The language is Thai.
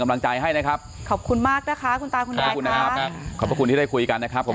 กำลังใจให้นะครับขอบคุณมากนะคะที่ได้คุยกันนะครับผม